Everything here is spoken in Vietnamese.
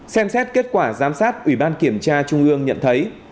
xem xét kết quả giám sát ủy ban kiểm tra trung ương nhận thấy